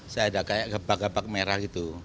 saya ada kayak gabak gebak merah gitu